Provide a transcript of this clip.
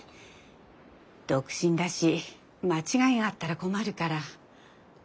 独身だし間違いがあったら困るから。